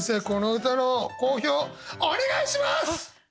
この歌の講評お願いします！